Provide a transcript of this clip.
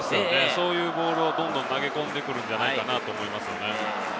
そういうボールをどんどん投げ込んでくるんじゃないかと思いますね。